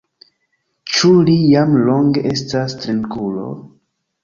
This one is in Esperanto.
Ĉu li jam longe estas trinkulo?